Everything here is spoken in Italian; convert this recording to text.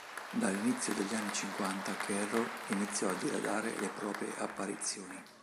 Dall'inizio degli anni cinquanta Carroll iniziò a diradare le proprie apparizioni.